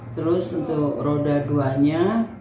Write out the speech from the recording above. terus untuk roda duanya